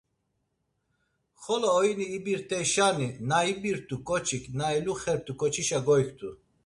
Xolo oyini ibirt̆eyşani; na ibirt̆u ǩoçik, na eluxert̆u ǩoçişa goyktu.